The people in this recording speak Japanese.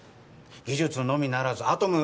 技術のみならずアトム